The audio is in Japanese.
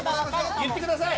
言ってください。